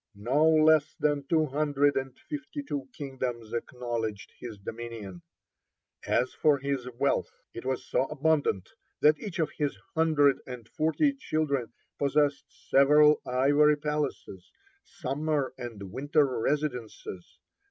(31) No less than two hundred and fifty two kingdoms acknowledged his dominion. (32) As for his wealth, it was so abundant that each of his hundred and forty children possessed several ivory palaces, summer and winter residences.